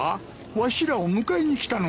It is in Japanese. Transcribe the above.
わしらを迎えに来たのか？